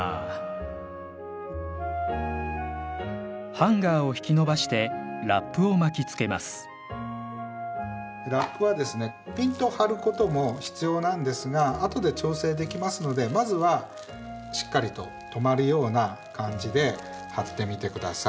ハンガーを引きのばしてラップを巻きつけますラップはですねぴんと張ることも必要なんですがあとで調整できますのでまずはしっかりと留まるような感じで張ってみてください。